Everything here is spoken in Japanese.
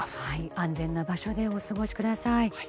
安全な場所でお過ごしください。